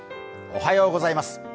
おはようございます。